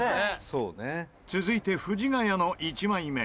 続いて藤ヶ谷の１枚目。